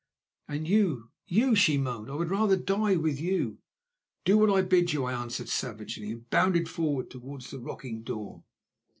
"And you, you," she moaned. "I would rather die with you." "Do what I bid you," I answered savagely, and bounded forward towards the rocking door.